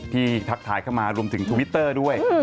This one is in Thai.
ทักทายเข้ามารวมถึงทวิตเตอร์ด้วย